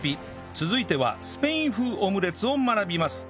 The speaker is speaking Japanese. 続いてはスペイン風オムレツを学びます